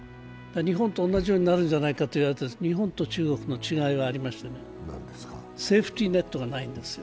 日本と同じようになるんじゃないかと言われていますが、日本と中国の違いがありましてセーフティーネットがないんですよ。